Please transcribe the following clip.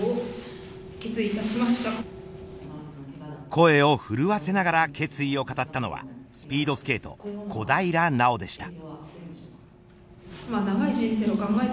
声を震わせながら決意を語ったのはスピードスケート小平奈緒でした。